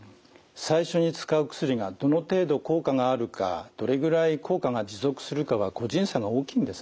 最初に使う薬がどの程度効果があるかどれぐらい効果が持続するかは個人差が大きいんですね。